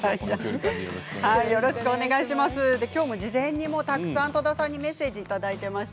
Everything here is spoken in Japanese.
今日も事前にたくさん戸田さんにメッセージが届いています。